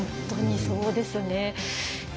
本当に、そうですよね。